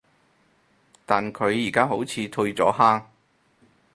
但佢而家好似退咗坑